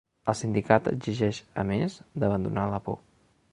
El sindicat exigeix, a més, d’abandonar la por.